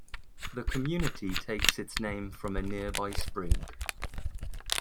The community takes its name from a nearby spring.